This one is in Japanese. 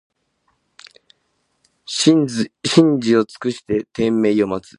じんじをつくしててんめいをまつ